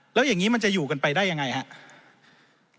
แล้วอย่างนี้มันจะอยู่กันไปได้ยังไงครับ